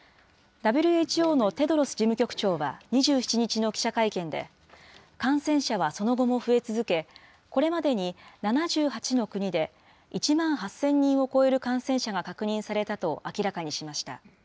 ＷＨＯのテドロス事務局長は２７日の記者会見で、感染者はその後も増え続け、これまでに７８の国で、１万８０００人を超える感染者が確認されたと明らかにしました。